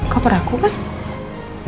koper aku kan